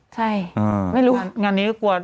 ใช่ฮะไม่รู้มั้ยเราก็แค่รู้แล้วเลยเดี๋ยวนั้นรู้แล้วเอง